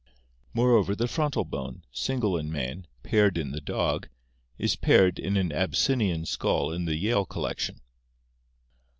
Moreover, the frontal bone, single in man, paired in the dog, is paired in an Abyssinian skull in the Yale collection.